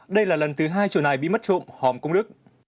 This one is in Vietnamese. đây là lần thứ hai chủ này bị mất trộm hòm công đức